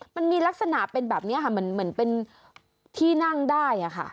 มันมีลักษณะเป็นแบบนี้ค่ะเหมือนเป็นที่นั่งได้